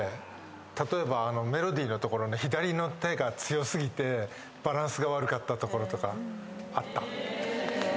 例えばメロディーのところの左の手が強過ぎてバランスが悪かったところとかあった。